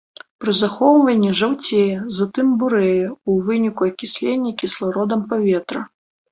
Пры захоўванні жаўцее, затым бурэе ў выніку акіслення кіслародам паветра.